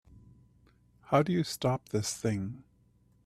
How do you stop this thing?